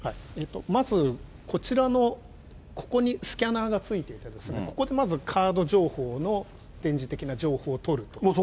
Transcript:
まず、こちらのここにスキャナーがついていて、ここでまずカード情報の電磁的な情報をとると。